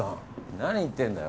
何言ってんだよ